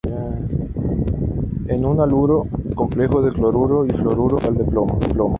Es un haluro, complejo de cloruro y fluoruro, de metal de plomo.